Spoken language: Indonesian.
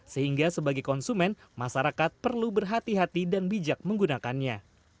sehingga sebagai konsumen masyarakat perlu berhati hati dan bijak menggunakannya